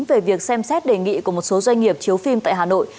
về việc xem xét đề nghị của một số doanh nghiệp chiếu phim tại hà nội